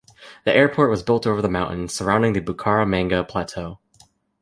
The airport was built over the mountains surrounding the Bucaramanga plateau.